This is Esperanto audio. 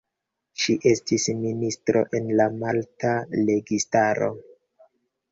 Ŝi estis ministro en la malta registaro.